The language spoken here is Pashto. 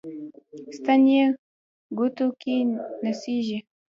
ستن یې ګوتو کې نڅیږي